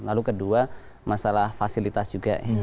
lalu kedua masalah fasilitas juga ya